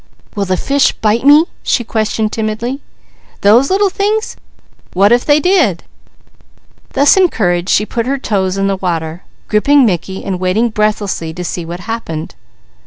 "Will the fish bite me?" she questioned timidly. "Those little things! What if they did?" Thus encouraged she put her toes in the water, gripping Mickey and waiting breathlessly to see what happened.